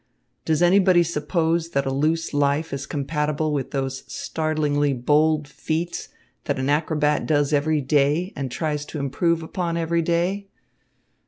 Does anybody suppose that a loose life is compatible with those startlingly bold feats that an acrobat does every day and tries to improve upon every day?